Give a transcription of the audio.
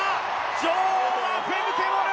女王はフェムケ・ボル！